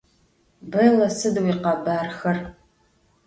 Belle sıd yikhebarxer?